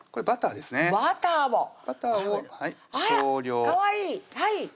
バターを少量かわいい！